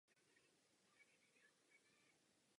Francouzská revoluce otevřela Salon i pro zahraniční umělce.